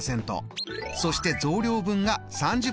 そして増量分が３０％。